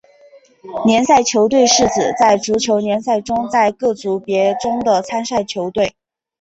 联赛球队是指在足球联赛中在各组别中的参赛球队。